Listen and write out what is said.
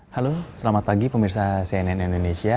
halo selamat pagi pemirsa cnn indonesia